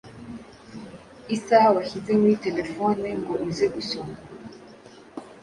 isaha washyize muri telefone ngo ize gusona